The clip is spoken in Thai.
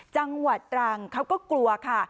จังหวัดตรังเขาก็กลัวค่ะ